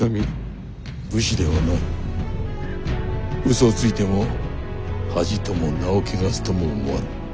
嘘をついても恥とも名を汚すとも思わぬ。